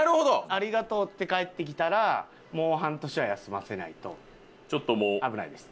「ありがとう」って返ってきたらもう半年は休ませないと危ないです。